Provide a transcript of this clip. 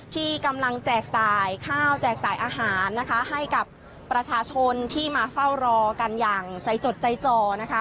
ที่กำลังแจกจ่ายข้าวแจกจ่ายอาหารนะคะให้กับประชาชนที่มาเฝ้ารอกันอย่างใจจดใจจ่อนะคะ